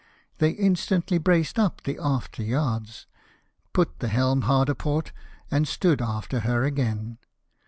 They mstantly braced up the after yards, put the helm a port, and stood after her again.